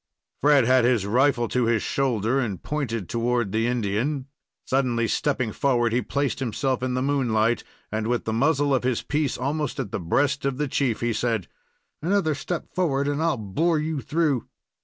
Fred had his rifle to his shoulder, and pointed toward the Indian. Suddenly stepping forward, he placed himself in the moonlight, and, with the muzzle of his piece almost at the breast of the chief, he said: "Another step forward, and I'll bore you through!"